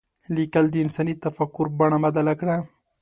لیکل د انساني تفکر بڼه بدله کړه.